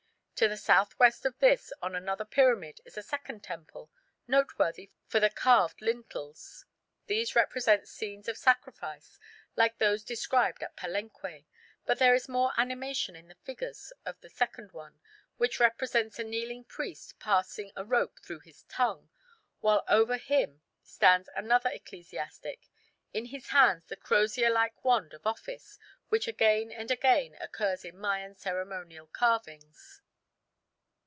To the south west of this on another pyramid is a second temple, noteworthy for the carved lintels. These represent scenes of sacrifice like those described at Palenque; but there is more animation in the figures of the second one, which represents a kneeling priest passing a rope through his tongue, while over him stands another ecclesiastic, in his hands the crozier like wand of office which again and again occurs in Mayan ceremonial carvings.